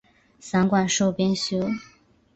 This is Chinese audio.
散馆授编修。